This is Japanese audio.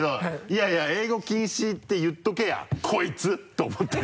「いやいや英語禁止って言っておけやこいつ！」と思って。